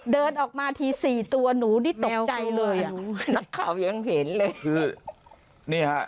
เดินออกมาทีสี่ตัวหนูนี่ตกใจเลยแมวกลัวหนูนักข่าวยังเห็นเลย